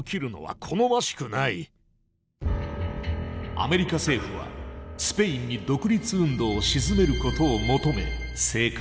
アメリカ政府はスペインに独立運動を鎮めることを求め静観。